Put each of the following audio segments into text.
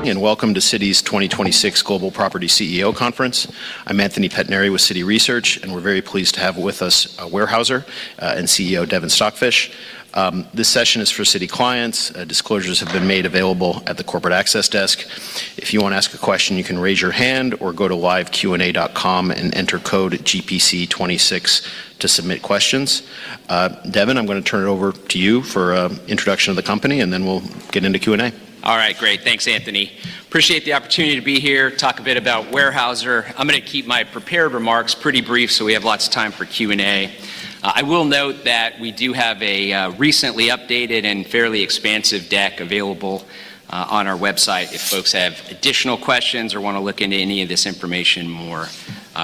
Welcome to Citi's 2026 Global Property CEO Conference. I'm Anthony Pettinari with Citi Research, and we're very pleased to have with us Weyerhaeuser, and CEO Devin Stockfish. This session is for Citi clients. Disclosures have been made available at the corporate access desk. If you wanna ask a question, you can raise your hand or go to liveqna.com and enter code GPC26 to submit questions. Devin, I'm gonna turn it over to you for introduction of the company, and then we'll get into Q&A. All right. Great. Thanks, Anthony. Appreciate the opportunity to be here, talk a bit about Weyerhaeuser. I'm gonna keep my prepared remarks pretty brief so we have lots of time for Q&A. I will note that we do have a recently updated and fairly expansive deck available on our website if folks have additional questions or wanna look into any of this information more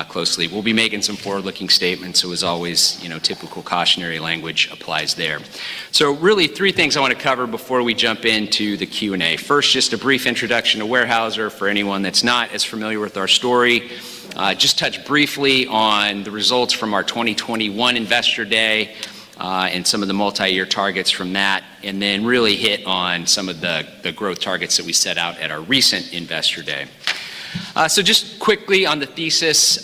closely. We'll be making some forward-looking statements, so as always, you know, typical cautionary language applies there. Really three things I wanna cover before we jump into the Q&A. First, just a brief introduction to Weyerhaeuser for anyone that's not as familiar with our story. Just touch briefly on the results from our 2021 Investor Day and some of the multi-year targets from that, and then really hit on some of the growth targets that we set out at our recent Investor Day. Just quickly on the thesis,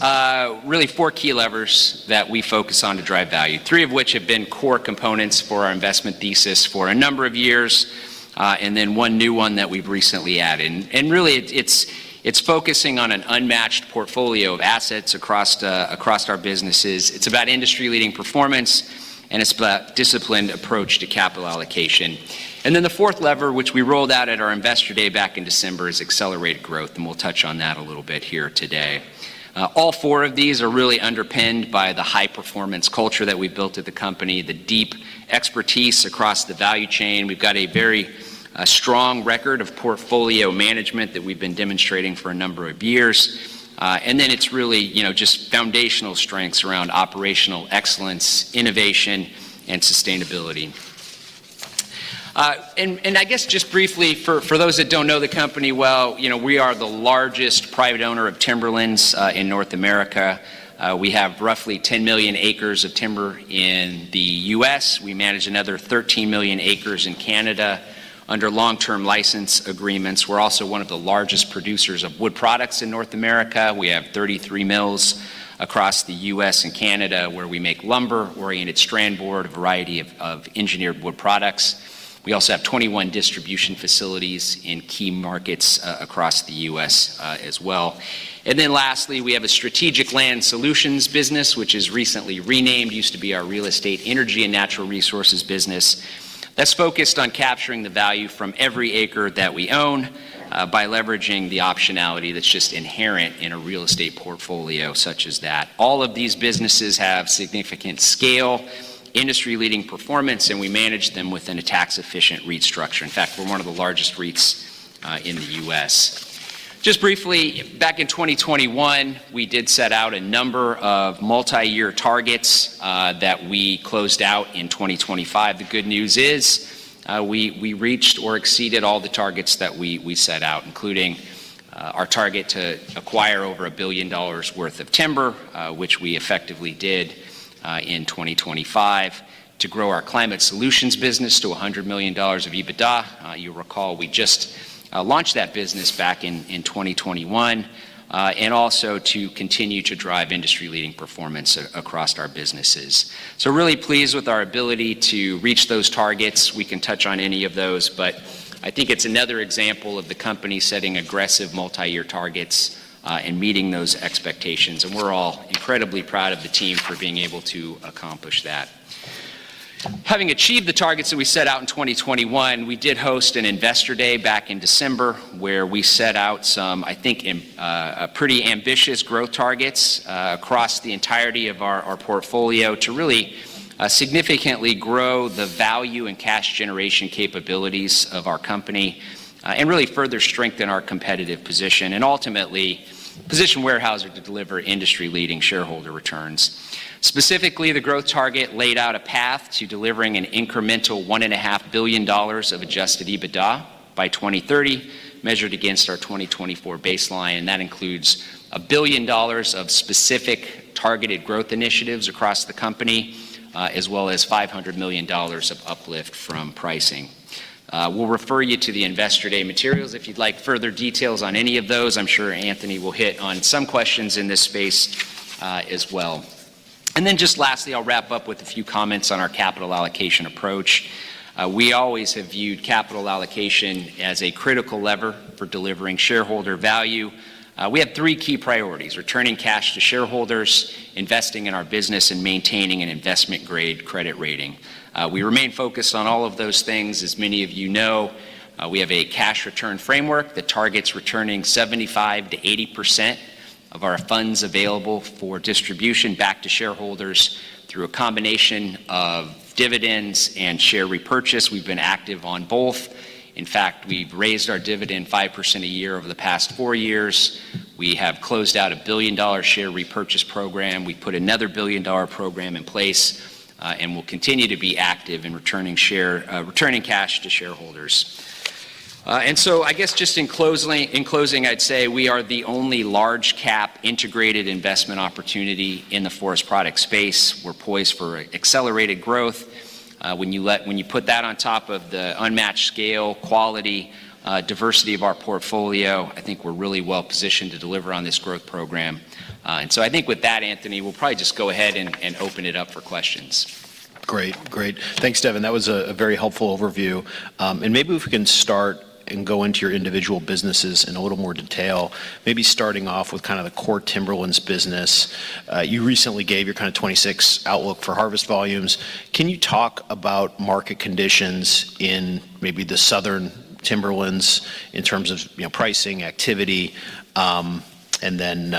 really four key levers that we focus on to drive value, three of which have been core components for our investment thesis for a number of years, and then one new one that we've recently added. Really, it's focusing on an unmatched portfolio of assets across across our businesses. It's about industry-leading performance, and it's about disciplined approach to capital allocation. Then the fourth lever, which we rolled out at our Investor Day back in December, is accelerated growth, and we'll touch on that a little bit here today. All four of these are really underpinned by the high-performance culture that we've built at the company, the deep expertise across the value chain. We've got a very strong record of portfolio management that we've been demonstrating for a number of years. It's really, you know, just foundational strengths around operational excellence, innovation, and sustainability. I guess just briefly for those that don't know the company well, you know, we are the largest private owner of timberlands in North America. We have roughly 10 million acres of timber in the U.S. We manage another 13 million acres in Canada under long-term license agreements. We're also one of the largest producers of wood products in North America. We have 33 mills across the U.S. and Canada where we make lumber, Oriented Strand Board, a variety of engineered wood products. We also have 21 distribution facilities in key markets across the U.S. as well. Lastly, we have a Strategic Land Solutions business, which is recently renamed. Used to be our real estate energy and natural resources business, that's focused on capturing the value from every acre that we own, by leveraging the optionality that's just inherent in a real estate portfolio such as that. All of these businesses have significant scale, industry-leading performance, and we manage them within a tax-efficient REIT structure. In fact, we're one of the largest REITs in the U.S. Just briefly, back in 2021, we did set out a number of multi-year targets, that we closed out in 2025. The good news is, we reached or exceeded all the targets that we set out, including our target to acquire over $1 billion worth of timber, which we effectively did in 2025, to grow our Climate Solutions business to $100 million of EBITDA. You'll recall we just launched that business back in 2021, and also to continue to drive industry-leading performance across our businesses. Really pleased with our ability to reach those targets. We can touch on any of those, but I think it's another example of the company setting aggressive multi-year targets, and meeting those expectations, and we're all incredibly proud of the team for being able to accomplish that. Having achieved the targets that we set out in 2021, we did host an Investor Day back in December where we set out some, I think, pretty ambitious growth targets across the entirety of our portfolio to really significantly grow the value and cash generation capabilities of our company and really further strengthen our competitive position and ultimately position Weyerhaeuser to deliver industry-leading shareholder returns. Specifically, the growth target laid out a path to delivering an incremental $1.5 billion of Adjusted EBITDA by 2030 measured against our 2024 baseline, and that includes $1 billion of specific targeted growth initiatives across the company, as well as $500 million of uplift from pricing. We'll refer you to the Investor Day materials if you'd like further details on any of those. I'm sure Anthony will hit on some questions in this space as well. Just lastly, I'll wrap up with a few comments on our capital allocation approach. We always have viewed capital allocation as a critical lever for delivering shareholder value. We have three key priorities: returning cash to shareholders, investing in our business, and maintaining an investment-grade credit rating. We remain focused on all of those things. As many of you know, we have a cash return framework that targets returning 75%-80% of our Funds Available for Distribution back to shareholders through a combination of dividends and share repurchase. We've been active on both. In fact, we've raised our dividend 5% a year over the past four years. We have closed out a billion-dollar share repurchase program. We put another billion-dollar program in place, we'll continue to be active in returning share, returning cash to shareholders. I guess just in closely, in closing, I'd say we are the only large cap integrated investment opportunity in the forest product space. We're poised for a accelerated growth. When you put that on top of the unmatched scale, quality, diversity of our portfolio, I think we're really well-positioned to deliver on this growth program. I think with that, Anthony, we'll probably just go ahead and open it up for questions. Great. Great. Thanks, Devin. That was a very helpful overview. Maybe if we can start and go into your individual businesses in a little more detail, maybe starting off with kind of the core timberlands business. You recently gave your 2026 outlook for harvest volumes. Can you talk about market conditions in maybe the southern timberlands in terms of, you know, pricing, activity, and then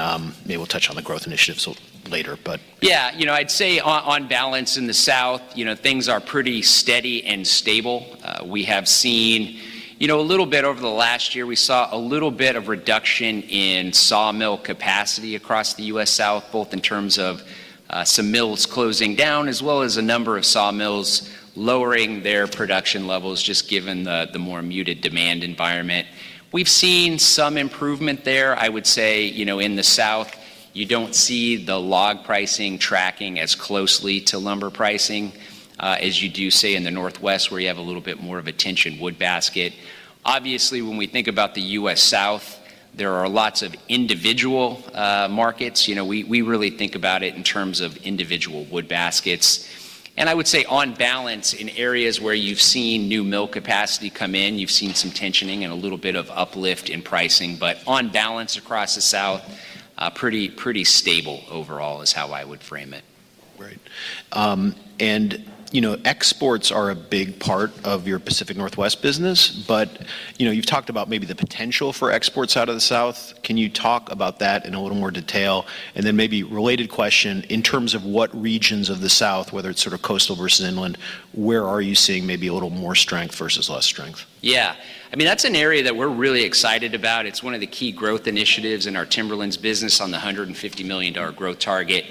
maybe we'll touch on the growth initiatives later. Yeah. You know, I'd say on balance in the South, you know, things are pretty steady and stable. We have seen, you know, a little bit over the last year, we saw a little bit of reduction in sawmill capacity across the U.S. South, both in terms of, some mills closing down as well as a number of sawmills lowering their production levels just given the more muted demand environment. We've seen some improvement there. I would say, you know, in the South, you don't see the log pricing tracking as closely to lumber pricing, as you do, say, in the Northwest, where you have a little bit more of a tension wood basket. Obviously, when we think about the U.S. South, there are lots of individual, markets. You know, we really think about it in terms of individual wood baskets. I would say on balance, in areas where you've seen new mill capacity come in, you've seen some tensioning and a little bit of uplift in pricing. On balance across the South, pretty stable overall is how I would frame it. Right. You know, exports are a big part of your Pacific Northwest business, but, you know, you've talked about maybe the potential for exports out of the South. Can you talk about that in a little more detail? Then maybe related question, in terms of what regions of the South, whether it's sort of coastal versus inland, where are you seeing maybe a little more strength versus less strength? I mean, that's an area that we're really excited about. It's one of the key growth initiatives in our timberlands business on the $150 million growth target.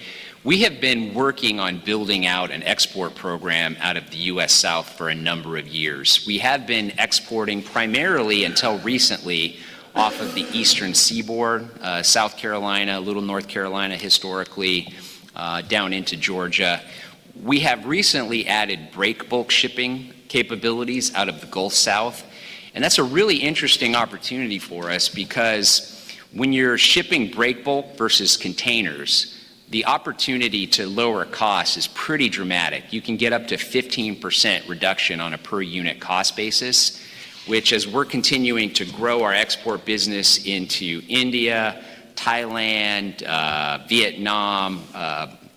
We have been working on building out an export program out of the U.S. South for a number of years. We have been exporting primarily until recently off of the Eastern Seaboard, South Carolina, a little North Carolina historically, down into Georgia. We have recently added breakbulk shipping capabilities out of the Gulf South. That's a really interesting opportunity for us because when you're shipping breakbulk versus containers, the opportunity to lower cost is pretty dramatic. You can get up to 15% reduction on a per unit cost basis, which as we're continuing to grow our export business into India, Thailand, Vietnam,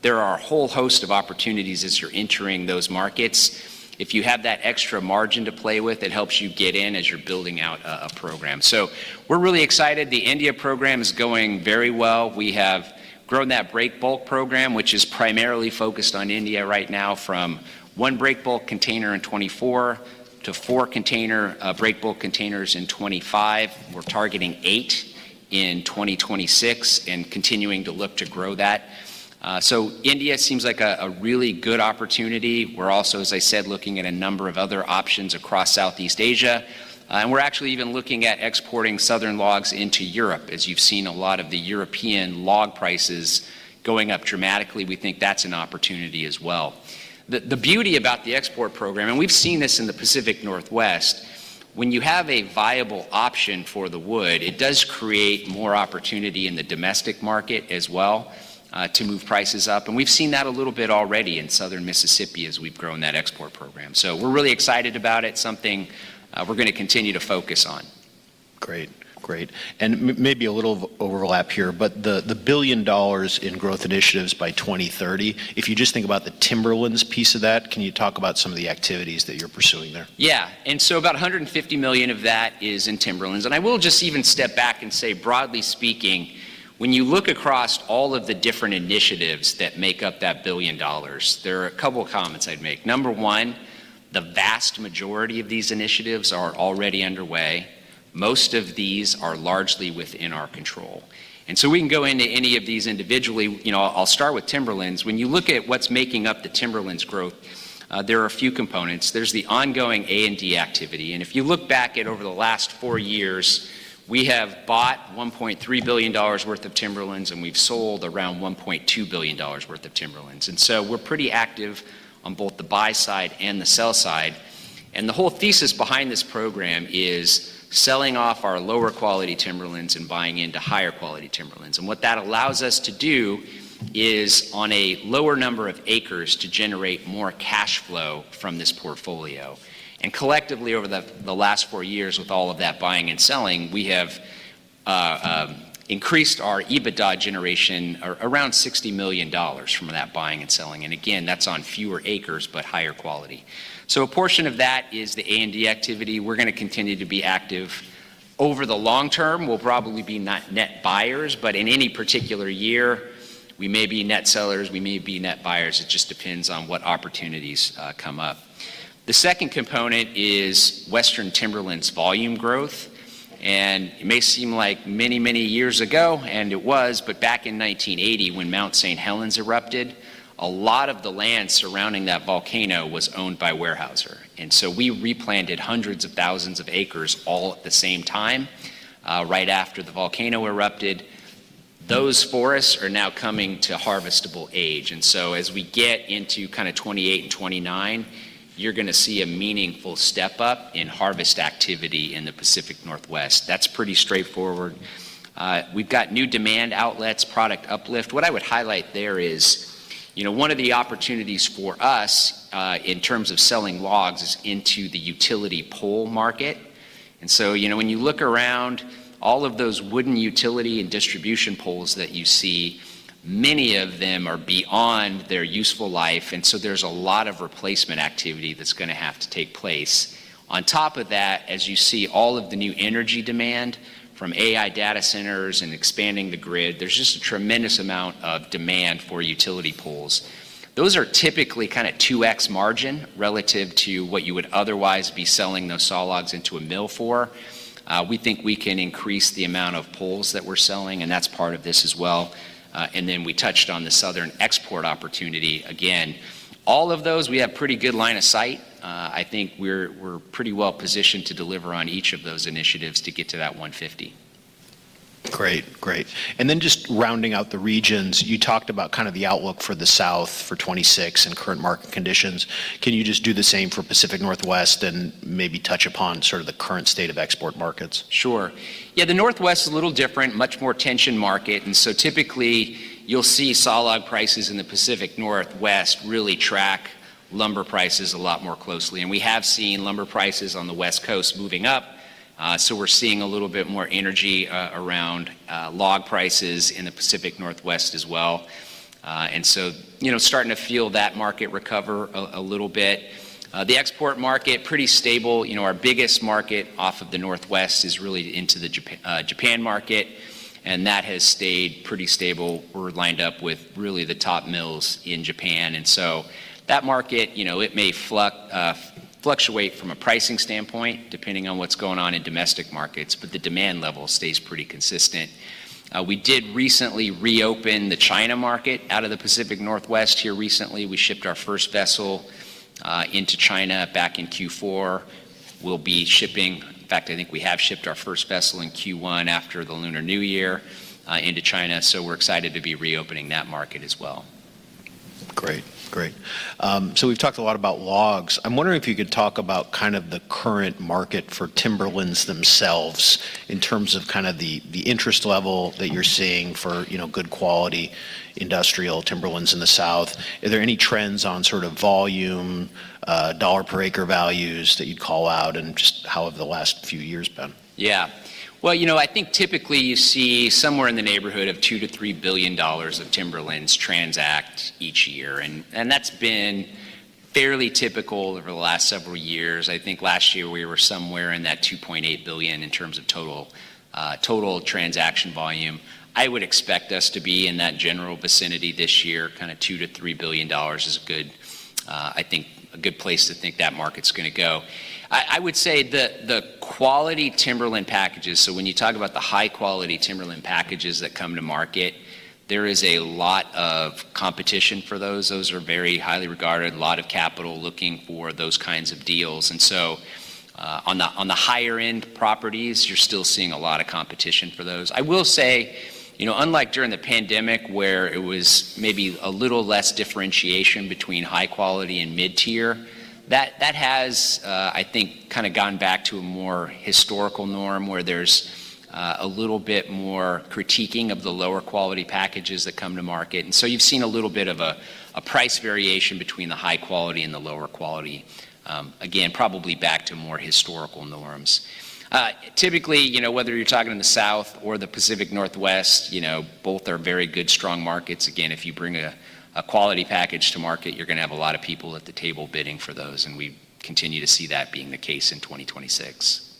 there are a whole host of opportunities as you're entering those markets. If you have that extra margin to play with, it helps you get in as you're building out a program. We're really excited. The India program is going very well. We have grown that breakbulk program, which is primarily focused on India right now from one breakbulk container in 2024 to four container breakbulk containers in 2025. We're targeting eight in 2026 and continuing to look to grow that. India seems like a really good opportunity. We're also, as I said, looking at a number of other options across Southeast Asia. We're actually even looking at exporting Southern logs into Europe. As you've seen a lot of the European log prices going up dramatically, we think that's an opportunity as well. The beauty about the export program, and we've seen this in the Pacific Northwest, when you have a viable option for the wood, it does create more opportunity in the domestic market as well to move prices up. We've seen that a little bit already in Southern Mississippi as we've grown that export program. We're really excited about it, something we're gonna continue to focus on. Great. Great. Maybe a little overlap here, but the $1 billion in growth initiatives by 2030, if you just think about the timberlands piece of that, can you talk about some of the activities that you're pursuing there? Yeah. About $150 million of that is in timberlands. I will just even step back and say, broadly speaking, when you look across all of the different initiatives that make up that $1 billion, there are a couple comments I'd make. Number one, the vast majority of these initiatives are already underway. Most of these are largely within our control. We can go into any of these individually. You know, I'll start with timberlands. When you look at what's making up the timberlands growth, there are a few components. There's the ongoing A&D activity. If you look back at over the last four years, we have bought $1.3 billion worth of timberlands, and we've sold around $1.2 billion worth of timberlands. We're pretty active on both the buy side and the sell side. The whole thesis behind this program is selling off our lower quality timberlands and buying into higher quality timberlands. What that allows us to do is on a lower number of acres to generate more cash flow from this portfolio. Collectively, over the last four years with all of that buying and selling, we have increased our EBITDA generation around $60 million from that buying and selling. Again, that's on fewer acres, but higher quality. A portion of that is the A&D activity. We're gonna continue to be active. Over the long term, we'll probably be not net buyers, but in any particular year, we may be net sellers, we may be net buyers. It just depends on what opportunities come up. The second component is Western timberlands volume growth. It may seem like many, many years ago, and it was, but back in 1980 when Mount St. Helens erupted, a lot of the land surrounding that volcano was owned by Weyerhaeuser. We replanted hundreds of thousands of acres all at the same time, right after the volcano erupted. Those forests are now coming to harvestable age. As we get into kind of 2028 and 2029, you're gonna see a meaningful step up in harvest activity in the Pacific Northwest. That's pretty straightforward. We've got new demand outlets, product uplift. What I would highlight there is, you know, one of the opportunities for us, in terms of selling logs is into the utility pole market. You know, when you look around all of those wooden utility and distribution poles that you see, many of them are beyond their useful life, and so there's a lot of replacement activity that's going to have to take place. On top of that, as you see all of the new energy demand from AI data centers and expanding the grid, there's just a tremendous amount of demand for utility poles. Those are typically kind of 2x margin relative to what you would otherwise be selling those sawlogs into a mill for. We think we can increase the amount of poles that we're selling, and that's part of this as well. Then we touched on the Southern export opportunity. Again, all of those, we have pretty good line of sight. I think we're pretty well positioned to deliver on each of those initiatives to get to that 150. Great. Great. Just rounding out the regions, you talked about kind of the outlook for the South for 2026 and current market conditions. Can you just do the same for Pacific Northwest and maybe touch upon sort of the current state of export markets? Sure. Yeah, the Northwest is a little different, much more tension market. Typically, you'll see sawlog prices in the Pacific Northwest really track lumber prices a lot more closely. We have seen lumber prices on the West Coast moving up, so we're seeing a little bit more energy around log prices in the Pacific Northwest as well. You know, starting to feel that market recover a little bit. The export market, pretty stable. You know, our biggest market off of the Northwest is really into the Japan market, and that has stayed pretty stable. We're lined up with really the top mills in Japan. That market, you know, it may fluctuate from a pricing standpoint, depending on what's going on in domestic markets, but the demand level stays pretty consistent. We did recently reopen the China market out of the Pacific Northwest here recently. We shipped our first vessel into China back in Q4. In fact, I think we have shipped our first vessel in Q1 after the Lunar New Year into China. We're excited to be reopening that market as well. Great. Great. We've talked a lot about logs. I'm wondering if you could talk about kind of the current market for timberlands themselves in terms of kind of the interest level that you're seeing for, you know, good quality industrial timberlands in the South. Are there any trends on sort of volume, dollar per acre values that you'd call out and just how have the last few years been? Yeah. Well, you know, I think typically you see somewhere in the neighborhood of $2 billion-$3 billion of timberlands transact each year, and that's been fairly typical over the last several years. I think last year we were somewhere in that $2.8 billion in terms of total transaction volume. I would expect us to be in that general vicinity this year, kind of $2 billion-$3 billion is a good, I think a good place to think that market's gonna go. I would say the quality timberland packages, so when you talk about the high-quality timberland packages that come to market, there is a lot of competition for those. Those are very highly regarded, a lot of capital looking for those kinds of deals. On the higher end properties, you're still seeing a lot of competition for those. I will say, you know, unlike during the pandemic where it was maybe a little less differentiation between high quality and mid-tier, that has, I think, kind of gone back to a more historical norm where there's, a little bit more critiquing of the lower quality packages that come to market. You've seen a little bit of a price variation between the high quality and the lower quality, again, probably back to more historical norms. Typically, you know, whether you're talking in the South or the Pacific Northwest, you know, both are very good, strong markets. If you bring a quality package to market, you're gonna have a lot of people at the table bidding for those, and we continue to see that being the case in 2026.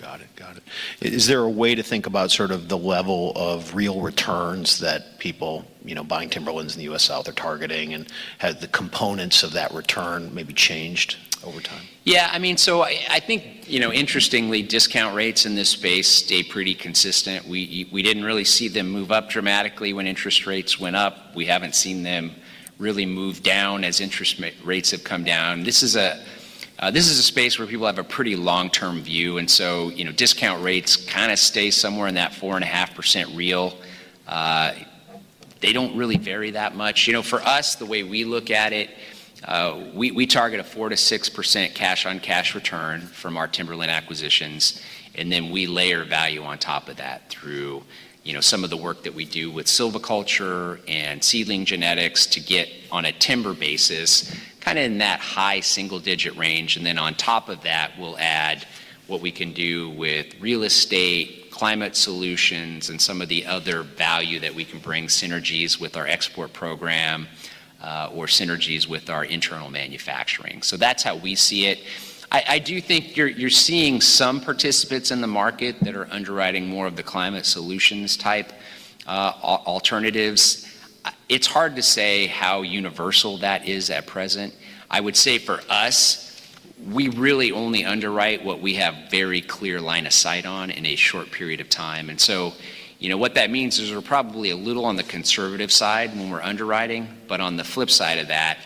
Got it. Got it. Is there a way to think about sort of the level of real returns that people, you know, buying timberlands in the U.S. South are targeting and have the components of that return maybe changed over time? I mean, I think, you know, interestingly, discount rates in this space stay pretty consistent. We didn't really see them move up dramatically when interest rates went up. We haven't seen them really move down as interest rates have come down. This is a space where people have a pretty long-term view. You know, discount rates kind of stay somewhere in that 4.5% real. They don't really vary that much. You know, for us, the way we look at it, we target a 4%-6% cash-on-cash return from our timberland acquisitions, and then we layer value on top of that through, you know, some of the work that we do with silviculture and seedling genetics to get on a timber basis, kind of in that high single-digit range. On top of that, we'll add what we can do with real estate, Climate Solutions, and some of the other value that we can bring synergies with our export program, or synergies with our internal manufacturing. That's how we see it. I do think you're seeing some participants in the market that are underwriting more of the Climate Solutions type alternatives. It's hard to say how universal that is at present. I would say for us, we really only underwrite what we have very clear line of sight on in a short period of time. You know, what that means is we're probably a little on the conservative side when we're underwriting. On the flip side of that,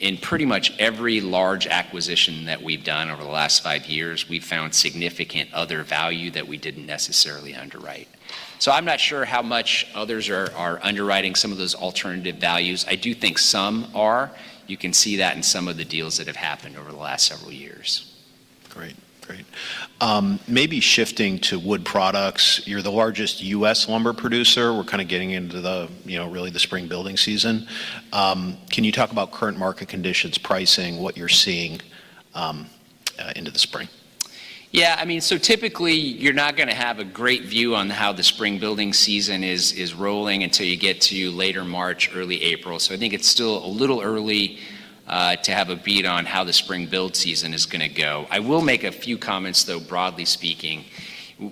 in pretty much every large acquisition that we've done over the last five years, we've found significant other value that we didn't necessarily underwrite. I'm not sure how much others are underwriting some of those alternative values. I do think some are. You can see that in some of the deals that have happened over the last several years. Great. Great. Maybe shifting to wood products. You're the largest U.S. lumber producer. We're kind of getting into the, you know, really the spring building season. Can you talk about current market conditions, pricing, what you're seeing, into the spring? Yeah, I mean, typically, you're not gonna have a great view on how the spring building season is rolling until you get to later March, early April. I think it's still a little early to have a beat on how the spring build season is gonna go. I will make a few comments, though, broadly speaking.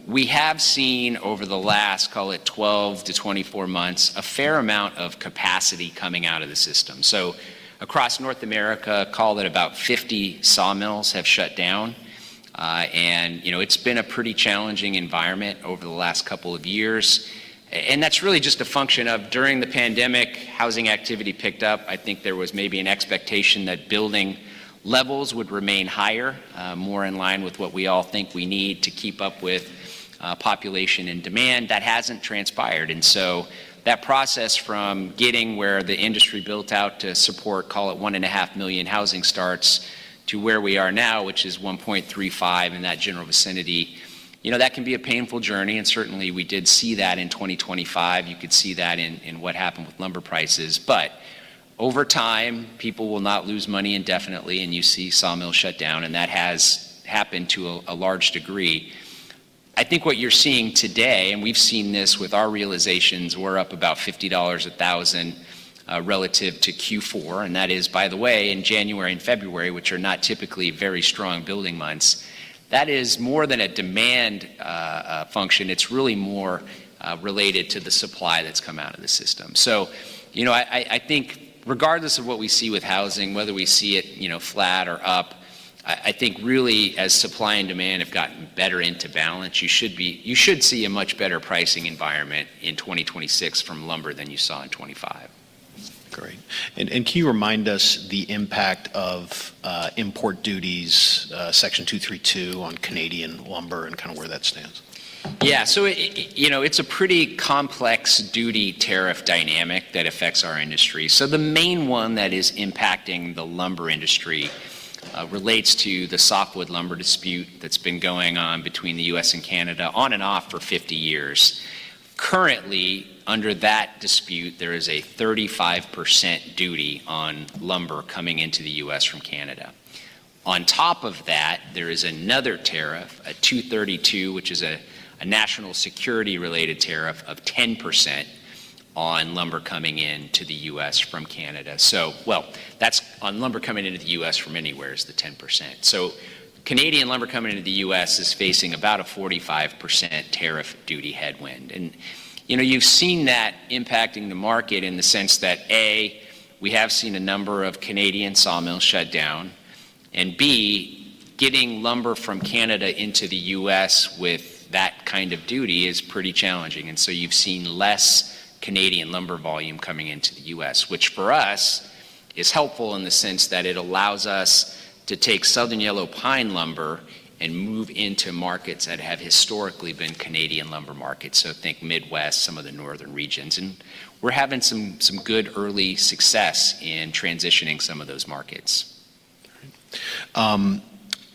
We have seen over the last, call it 12 to 24 months, a fair amount of capacity coming out of the system. Across North America, call it about 50 sawmills have shut down. You know, it's been a pretty challenging environment over the last couple of years. That's really just a function of during the pandemic, housing activity picked up. I think there was maybe an expectation that building levels would remain higher, more in line with what we all think we need to keep up with, population and demand. That hasn't transpired. That process from getting where the industry built out to support, call it 1.5 million housing starts, to where we are now, which is 1.35 in that general vicinity, you know, that can be a painful journey, and certainly we did see that in 2025. You could see that in what happened with lumber prices. Over time, people will not lose money indefinitely, and you see sawmills shut down, and that has happened to a large degree. I think what you're seeing today, and we've seen this with our realizations, we're up about $50 a thousand, relative to Q4, and that is, by the way, in January and February, which are not typically very strong building months. That is more than a demand function. It's really more related to the supply that's come out of the system. You know, I think regardless of what we see with housing, whether we see it, you know, flat or up, I think really as supply and demand have gotten better into balance, you should see a much better pricing environment in 2026 from lumber than you saw in 2025. Great. Can you remind us the impact of import duties, Section 232 on Canadian lumber and kind of where that stands? You know, it's a pretty complex duty tariff dynamic that affects our industry. The main one that is impacting the lumber industry relates to the Softwood Lumber Dispute that's been going on between the U.S. and Canada on and off for 50 years. Currently, under that dispute, there is a 35% duty on lumber coming into the U.S. from Canada. On top of that, there is another tariff, a Section 232, which is a national security-related tariff of 10% on lumber coming in to the U.S. from Canada. Well, that's on lumber coming into the U.S. from anywhere is the 10%. Canadian lumber coming into the U.S. is facing about a 45% tariff duty headwind. You know, you've seen that impacting the market in the sense that, A, we have seen a number of Canadian sawmills shut down, and B, getting lumber from Canada into the U.S. with that kind of duty is pretty challenging. You've seen less Canadian lumber volume coming into the U.S., which for us is helpful in the sense that it allows us to take Southern Yellow Pine lumber and move into markets that have historically been Canadian lumber markets, so think Midwest, some of the northern regions. We're having some good early success in transitioning some of those markets. All right.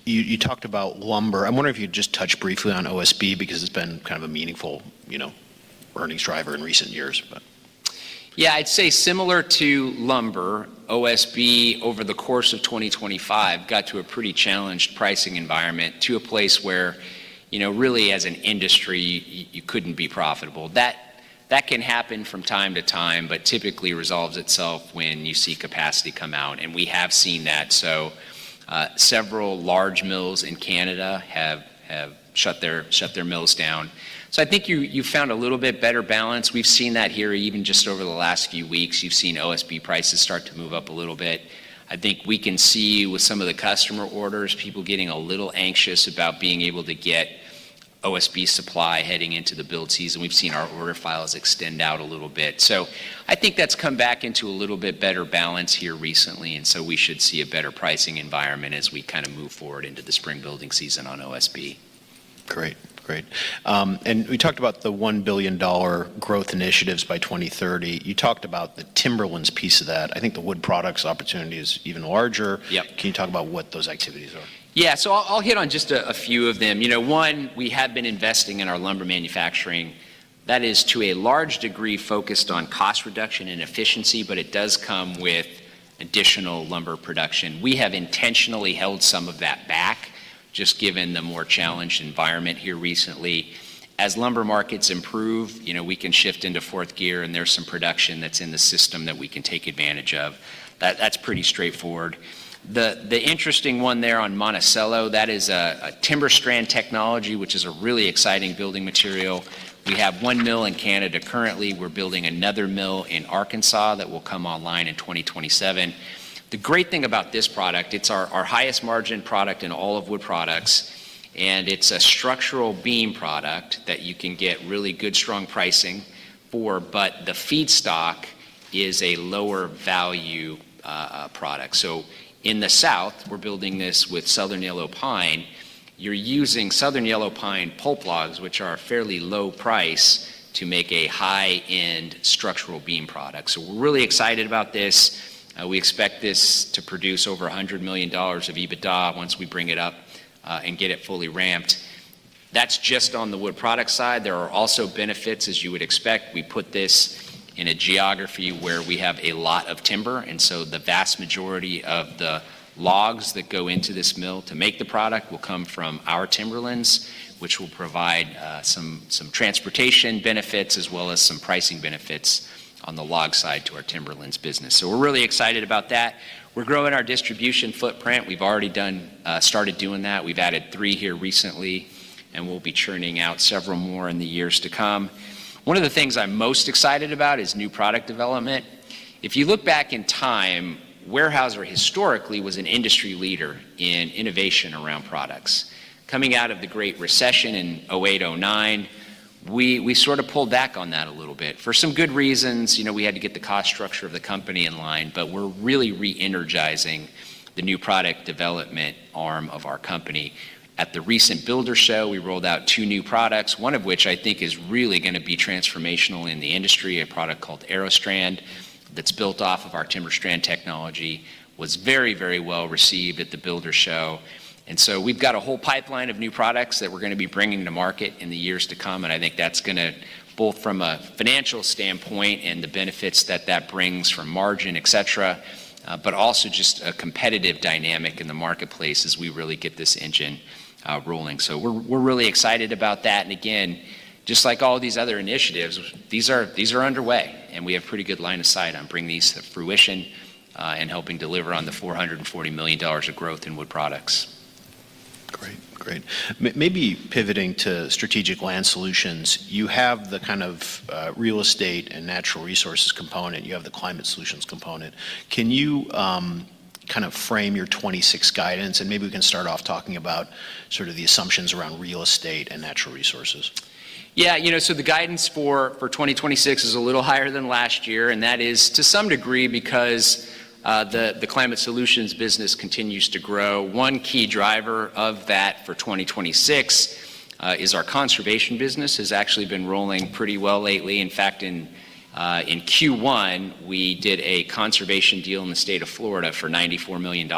You talked about lumber. I wonder if you'd just touch briefly on OSB because it's been kind of a meaningful, you know, earnings driver in recent years. I'd say similar to lumber, OSB over the course of 2025 got to a pretty challenged pricing environment to a place where, you know, really as an industry, you couldn't be profitable. That can happen from time to time, but typically resolves itself when you see capacity come out, and we have seen that. Several large mills in Canada have shut their mills down. I think you found a little bit better balance. We've seen that here even just over the last few weeks. You've seen OSB prices start to move up a little bit. I think we can see with some of the customer orders, people getting a little anxious about being able to get OSB supply heading into the build season. We've seen our order files extend out a little bit. I think that's come back into a little bit better balance here recently, and so we should see a better pricing environment as we kind of move forward into the spring building season on OSB. Great. Great. We talked about the $1 billion growth initiatives by 2030. You talked about the Timberlands piece of that. I think the wood products opportunity is even larger. Yep. Can you talk about what those activities are? Yeah. I'll hit on just a few of them. You know, one, we have been investing in our lumber manufacturing. That is to a large degree focused on cost reduction and efficiency, but it does come with additional lumber production. We have intentionally held some of that back just given the more challenged environment here recently. As lumber markets improve, you know, we can shift into fourth gear, and there's some production that's in the system that we can take advantage of. That's pretty straightforward. The interesting one there on Monticello, that is a TimberStrand technology, which is a really exciting building material. We have one mill in Canada currently. We're building another mill in Arkansas that will come online in 2027. The great thing about this product, it's our highest margin product in all of wood products, and it's a structural beam product that you can get really good, strong pricing for, but the feedstock is a lower value product. In the south, we're building this with Southern Yellow Pine. You're using Southern Yellow Pine pulp logs, which are fairly low price to make a high-end structural beam product. We're really excited about this. We expect this to produce over $100 million of EBITDA once we bring it up and get it fully ramped. That's just on the wood product side. There are also benefits, as you would expect. We put this in a geography where we have a lot of timber, the vast majority of the logs that go into this mill to make the product will come from our timberlands, which will provide some transportation benefits as well as some pricing benefits on the log side to our timberlands business. We're really excited about that. We're growing our distribution footprint. We've already started doing that. We've added three here recently, and we'll be churning out several more in the years to come. One of the things I'm most excited about is new product development. If you look back in time, Weyerhaeuser historically was an industry leader in innovation around products. Coming out of the Great Recession in 2008, 2009, we sort of pulled back on that a little bit for some good reasons. You know, we had to get the cost structure of the company in line, but we're really re-energizing the new product development arm of our company. At the recent Builders Show, we rolled out two new products, one of which I think is really gonna be transformational in the industry, a product called AeroStrand that's built off of our TimberStrand technology, was very, very well received at the Builders Show. We've got a whole pipeline of new products that we're gonna be bringing to market in the years to come, and I think that's gonna, both from a financial standpoint and the benefits that that brings from margin, et cetera, but also just a competitive dynamic in the marketplace as we really get this engine rolling. We're really excited about that. Again, just like all these other initiatives, these are underway, and we have pretty good line of sight on bringing these to fruition, and helping deliver on the $440 million of growth in wood products. Great. Great. maybe pivoting to Strategic Land Solutions, you have the kind of, real estate and natural resources component, you have the Climate Solutions component. Can you, kind of frame your 2026 guidance? maybe we can start off talking about sort of the assumptions around real estate and natural resources. Yeah. You know, the guidance for 2026 is a little higher than last year, and that is to some degree because the Climate Solutions business continues to grow. One key driver of that for 2026 is our conservation business has actually been rolling pretty well lately. In fact, in Q1, we did a conservation deal in the state of Florida for $94 million.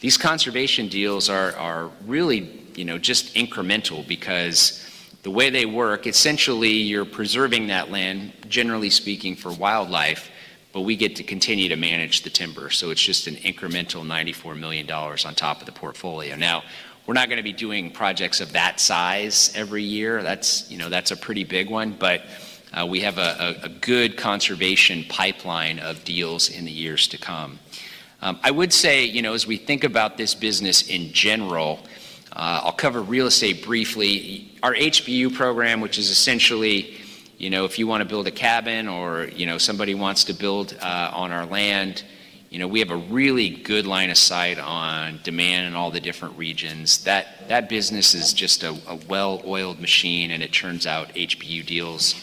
These conservation deals are really, you know, just incremental because the way they work, essentially, you're preserving that land, generally speaking, for wildlife, but we get to continue to manage the timber. It's just an incremental $94 million on top of the portfolio. We're not gonna be doing projects of that size every year. That's, you know, that's a pretty big one. We have a good conservation pipeline of deals in the years to come. I would say, you know, as we think about this business in general, I'll cover real estate briefly. Our HBU program, which is essentially, you know, if you wanna build a cabin or, you know, somebody wants to build on our land, you know, we have a really good line of sight on demand in all the different regions. That business is just a well-oiled machine, and it churns out HBU deals.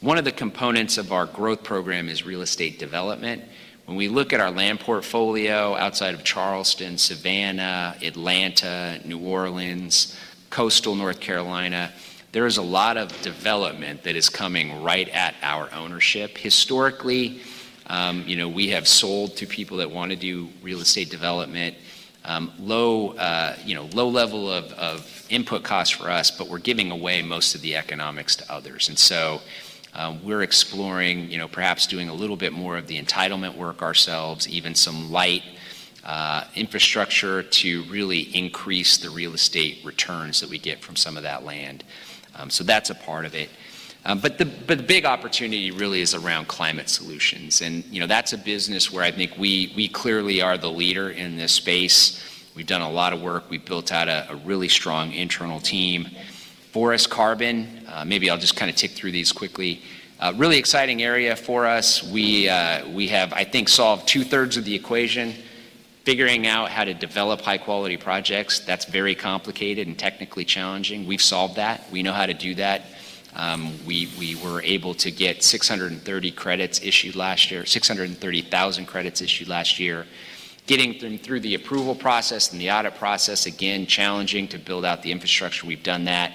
One of the components of our growth program is real estate development. When we look at our land portfolio outside of Charleston, Savannah, Atlanta, New Orleans, coastal North Carolina, there is a lot of development that is coming right at our ownership. Historically, you know, we have sold to people that wanna do real estate development, low, you know, low level of input costs for us, but we're giving away most of the economics to others. We're exploring, you know, perhaps doing a little bit more of the entitlement work ourselves, even some light infrastructure to really increase the real estate returns that we get from some of that land. That's a part of it. The big opportunity really is around Climate Solutions. You know, that's a business where I think we clearly are the leader in this space. We've done a lot of work. We've built out a really strong internal team. forest carbon. Maybe I'll just kinda tick through these quickly. Really exciting area for us. We, we have, I think, solved two-thirds of the equation, figuring out how to develop high-quality projects. That's very complicated and technically challenging. We've solved that. We know how to do that. We, we were able to get 630 credits issued last year, 630,000 credits issued last year. Getting them through the approval process and the audit process, again, challenging to build out the infrastructure. We've done that.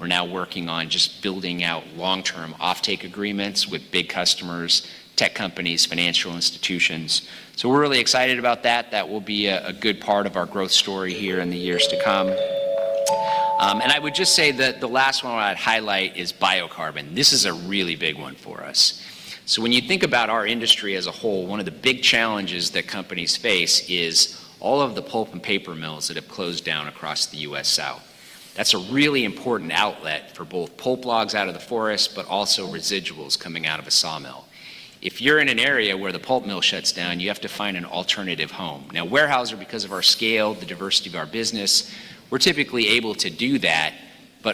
We're now working on just building out long-term offtake agreements with big customers, tech companies, financial institutions. We're really excited about that. That will be a good part of our growth story here in the years to come. I would just say that the last one I'd highlight is biocarbon. This is a really big one for us. When you think about our industry as a whole, one of the big challenges that companies face is all of the pulp and paper mills that have closed down across the U.S. South. That's a really important outlet for both pulp logs out of the forest, but also residuals coming out of a sawmill. If you're in an area where the pulp mill shuts down, you have to find an alternative home. Now, Weyerhaeuser, because of our scale, the diversity of our business, we're typically able to do that.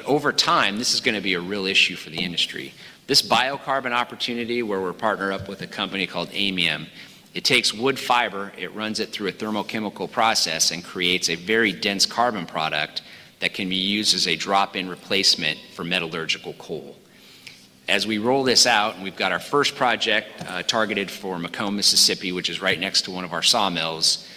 Over time, this is gonna be a real issue for the industry. This biocarbon opportunity where we're partnered up with a company called Aymium it takes wood fiber, it runs it through a thermochemical process and creates a very dense carbon product that can be used as a drop-in replacement for metallurgical coal. As we roll this out, and we've got our first project, targeted for McComb, Mississippi, which is right next to one of our sawmills.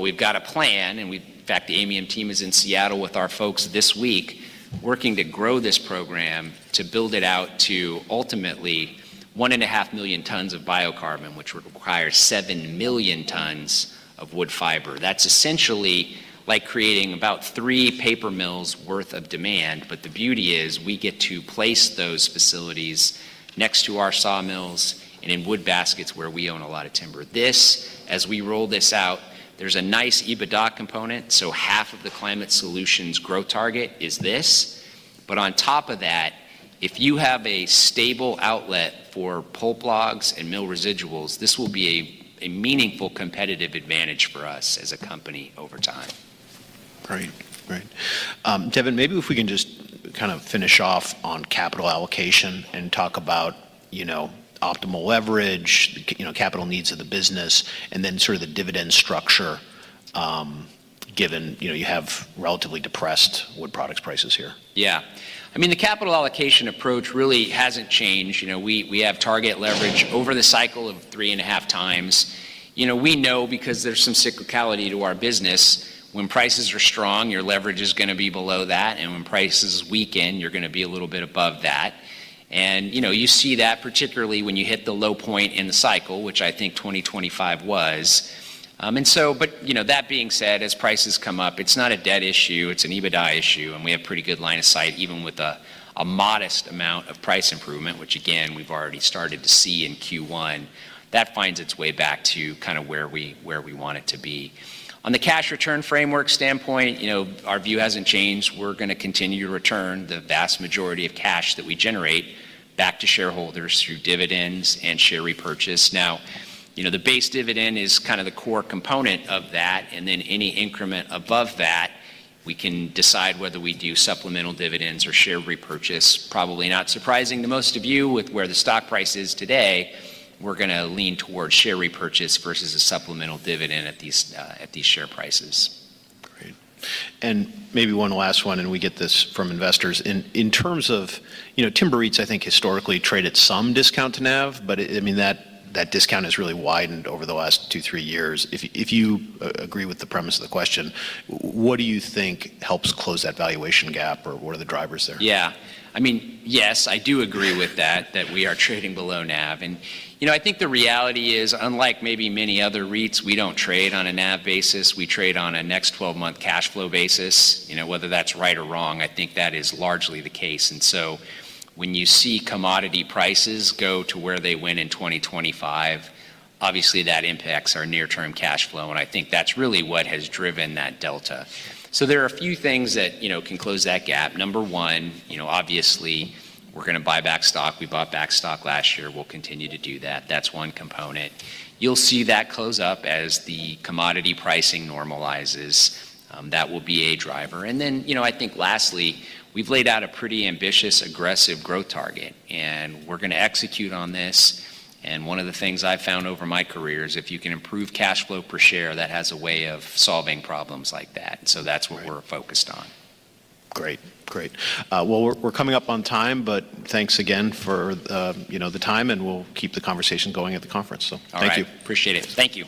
We've got a plan, in fact, the Aymium team is in Seattle with our folks this week working to grow this program to build it out to ultimately 1.5 million tons of biocarbon, which would require 7 million tons of wood fiber. That's essentially like creating about three paper mills' worth of demand. The beauty is, we get to place those facilities next to our sawmills and in wood baskets where we own a lot of timber. This, as we roll this out, there's a nice EBITDA component. Half of the Climate Solutions growth target is this. On top of that, if you have a stable outlet for pulp logs and mill residuals, this will be a meaningful competitive advantage for us as a company over time. Great. Great. Devin, maybe if we can just kind of finish off on capital allocation and talk about, you know, optimal leverage, you know, capital needs of the business and then sort of the dividend structure, given, you know, you have relatively depressed wood products prices here. Yeah. I mean, the capital allocation approach really hasn't changed. You know, we have target leverage over the cycle of 3.5x. You know, we know because there's some cyclicality to our business. When prices are strong, your leverage is gonna be below that, and when prices weaken, you're gonna be a little bit above that. You know, you see that particularly when you hit the low point in the cycle, which I think 2025 was. You know, that being said, as prices come up, it's not a debt issue, it's an EBITDA issue, and we have pretty good line of sight, even with a modest amount of price improvement, which again, we've already started to see in Q1. That finds its way back to kinda where we want it to be. On the cash return framework standpoint, you know, our view hasn't changed. We're gonna continue to return the vast majority of cash that we generate back to shareholders through dividends and share repurchase. You know, the base dividend is kind of the core component of that, and then any increment above that we can decide whether we do supplemental dividends or share repurchase. Probably not surprising to most of you with where the stock price is today, we're gonna lean towards share repurchase versus a supplemental dividend at these at these share prices. Great. Maybe one last one. We get this from investors. In terms of, you know, timber REITs I think historically trade at some discount to NAV, but I mean, that discount has really widened over the last two, three years. If you agree with the premise of the question, what do you think helps close that valuation gap, or what are the drivers there? I mean, yes, I do agree with that we are trading below NAV. You know, I think the reality is, unlike maybe many other REITs, we don't trade on a NAV basis, we trade on a next 12-month cash flow basis. You know, whether that's right or wrong, I think that is largely the case. When you see commodity prices go to where they went in 2025, obviously that impacts our near-term cash flow, and I think that's really what has driven that delta. There are a few things that, you know, can close that gap. Number one, you know, obviously we're gonna buy back stock. We bought back stock last year. We'll continue to do that. That's one component. You'll see that close up as the commodity pricing normalizes. That will be a driver. Then, you know, I think lastly, we've laid out a pretty ambitious, aggressive growth target, and we're gonna execute on this. One of the things I've found over my career is if you can improve cash flow per share, that has a way of solving problems like that. So that's what we're focused on. Great. Great. well, we're coming up on time. Thanks again for, you know, the time, and we'll keep the conversation going at the conference. Thank you. All right. Appreciate it. Thank you.